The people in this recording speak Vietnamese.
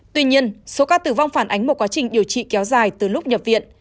tuy nhiên số ca tử vong phản ánh một quá trình điều trị kéo dài từ lúc nhập viện